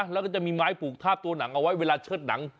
แล้วก็จะมีไม้ผูกทาบตัวหนังเอาไว้เวลาเชิดหนัง